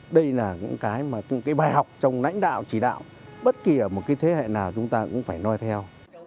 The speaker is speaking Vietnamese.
đây là những bài học trong lãnh đạo chỉ đạo bất kỳ ở một thế hệ nào chúng ta cũng phải nói theo